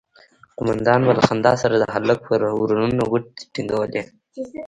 قومندان به له خندا سره د هلک پر ورنونو گوتې ټينگولې.